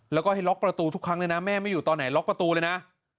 แล้วก็ให้ล็อกประตูทุกครั้งเลยนะแม่ไม่อยู่ตอนไหนล็อกประตูเลยนะ